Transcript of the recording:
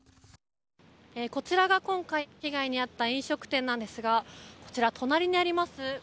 こちらが今回被害に遭った飲食店なんですがこちら、隣にあります